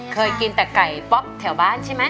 เคยกินแต่ไก่ป๊อปแถวบ้านใช่ไหม